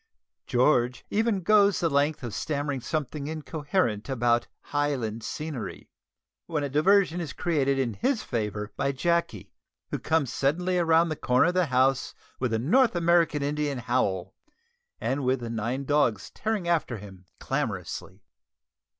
George even goes the length of stammering something incoherent about "Highland scenery," when a diversion is created in his favour by Jacky, who comes suddenly round the corner of the house with a North American Indian howl, and with the nine dogs tearing after him clamorously.